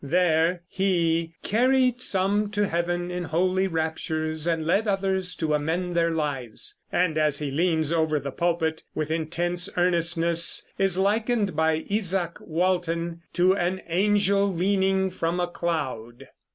There he "carried some to heaven in holy raptures and led others to amend their lives," and as he leans over the pulpit with intense earnestness is likened by Izaak Walton to "an angel leaning from a cloud."